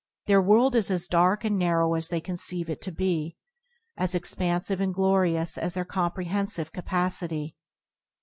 Their world is as dark and narrow as they conceive it to be, as expansive and glorious as their comprehensive capacity.